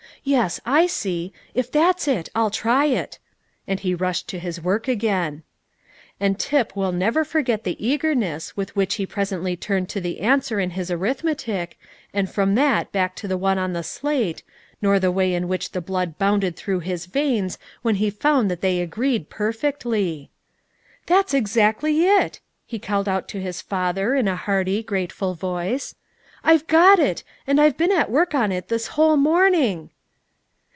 Yes, I see; if that's it, I'll try it." And he rushed to his work again. And Tip will never forget the eagerness with which he presently turned to the answer in his arithmetic, and from that back to the one on the slate, nor the way in which the blood bounded through his veins when he found that they agreed perfectly. "It's exactly it," he called out to his father, in a hearty, grateful voice. "I've got it, and I've been at work on it this whole morning."